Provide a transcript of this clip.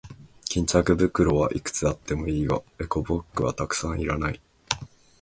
巾着袋はいくつあってもいいが、エコバッグはたくさんはいらない。